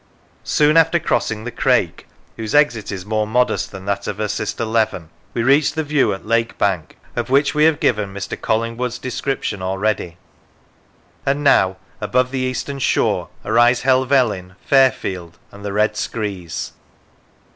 Soon after crossing the Crake, whose exit is more modest than that of her sister Leven, we reach the view at Lake bank, of which we have given Mr. Collingwood's description already, and now above the eastern shore arise Helvellyn, Fairfield, and the Red Screes.